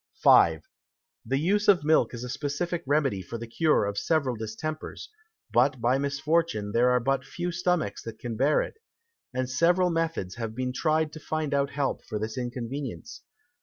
5. The Use of Milk is a specifick Remedy for the Cure of several Distempers, but by Misfortune there are but few Stomachs that can bear it, and several Methods have been try'd to find out Help for this Inconvenience.